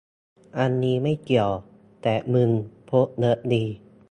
อันนี้ไม่เกี่ยว แต่มึงพกเยอะดี